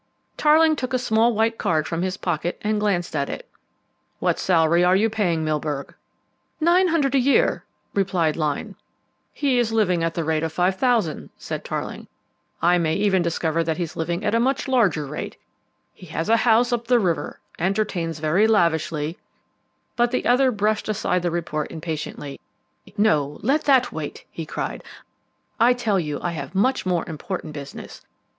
Tarling took a small white card from his pocket and glanced at it. "What salary are you paying Milburgh?" "Nine hundred a year," replied Lyne. "He is living at the rate of five thousand," said Tarling. "I may even discover that he's living at a much larger rate. He has a house up the river, entertains very lavishly " But the other brushed aside the report impatiently. "No, let that wait," he cried. "I tell you I have much more important business.